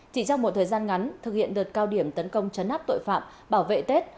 chỉ trong một thời gian ngắn thực hiện đợt cao điểm tấn công chấn áp tội phạm bảo vệ tết